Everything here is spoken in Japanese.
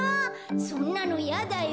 そんなのやだよ。